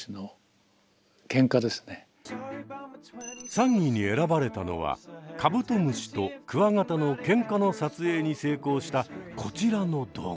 ３位に選ばれたのはカブトムシとクワガタのケンカの撮影に成功したこちらの動画。